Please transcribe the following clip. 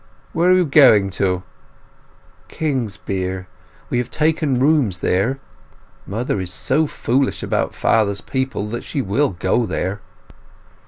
"Where are you going to?" "Kingsbere. We have taken rooms there. Mother is so foolish about father's people that she will go there."